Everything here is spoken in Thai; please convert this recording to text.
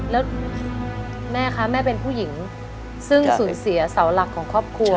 แล้วแม่คะแม่เป็นผู้หญิงซึ่งสูญเสียเสาหลักของครอบครัว